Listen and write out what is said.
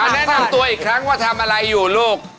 แนะนำตัวอีกครั้งว่าทำอะไรอยู่ลูก